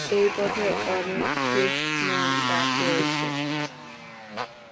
এই পথে অনেক তীক্ষ্ণ বাঁক রয়েছে।